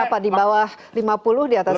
berapa di bawah lima puluh di atas lima puluh